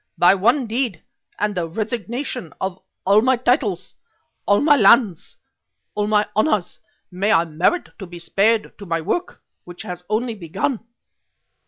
By one deed, and the resignation of all my titles, all my lands, and all my honors, may I merit to be spared to my work which has only begun."